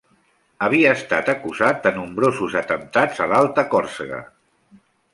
Havia estat acusat de nombrosos atemptats a l'Alta Còrsega.